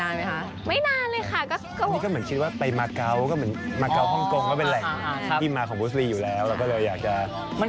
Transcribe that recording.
อ่าจริงอันนี้ก็หน้างานนะครับ